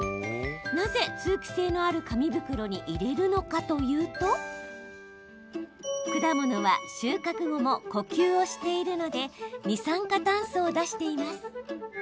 なぜ通気性のある紙袋に入れるのかというと果物は収穫後も呼吸をしているので二酸化炭素を出しています。